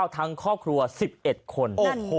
ทั้งครอบครัว๑๑คน